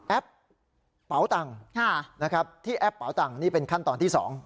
แอปเป๋าตังที่แอปเป๋าตังนี่เป็นขั้นตอนที่๒